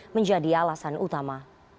menjadi alasan utama